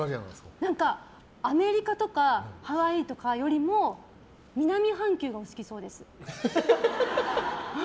何か、アメリカとかハワイとかよりも南半球がお好きそうです。